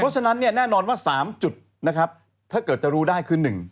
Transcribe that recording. เพราะฉะนั้นแน่นอนว่า๓จุดถ้าเกิดจะรู้ได้คือ